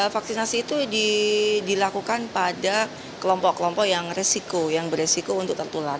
vaksinasi itu dilakukan pada kelompok kelompok yang beresiko untuk tertular